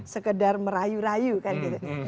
sekedar merayu rayu kan gitu